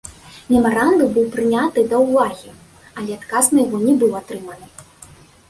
Мемарандум быў прыняты да ўвагі, але адказ на яго не быў атрыманы.